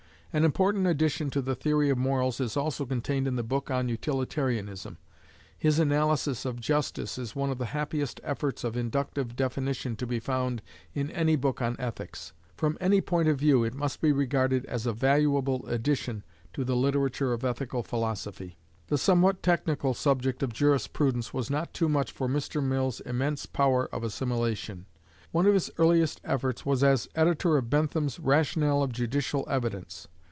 An important addition to the theory of morals is also contained in the book on "Utilitarianism." His analysis of "justice" is one of the happiest efforts of inductive definition to be found in any book on ethics. From any point of view, it must be regarded as a valuable addition to the literature of ethical philosophy. The somewhat technical subject of jurisprudence was not too much for Mr. Mill's immense power of assimilation. One of his earliest efforts was as editor of Bentham's "Rationale of Judicial Evidence."